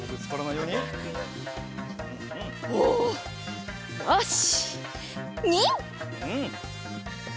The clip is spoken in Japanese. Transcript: よし。